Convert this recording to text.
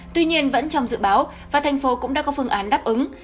tuy nhiên vẫn trong dự báo và thành phố cũng đã có phương án đáp ứng